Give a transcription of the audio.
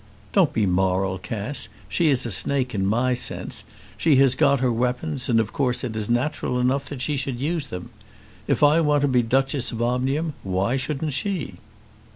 "Don't be moral, Cass. She is a snake in my sense. She has got her weapons, and of course it is natural enough that she should use them. If I want to be Duchess of Omnium, why shouldn't she?"